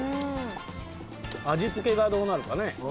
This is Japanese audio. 味付けがどうなるかね？